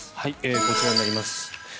こちらになります。